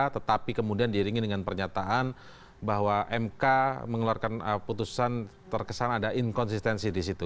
tetapi kemudian diiringi dengan pernyataan bahwa mk mengeluarkan putusan terkesan ada inkonsistensi di situ